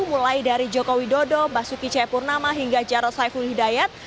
mulai dari jokowi dodo basuki c purnama hingga jaros saifullah hidayat